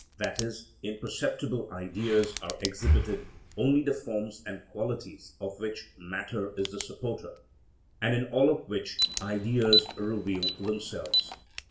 _, in perceptible ideas are exhibited only the forms and qualities of which matter is the supporter, and in all of which Ideas reveal themselves.